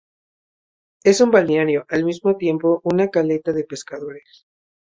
Es un balneario y al mismo tiempo una caleta de pescadores.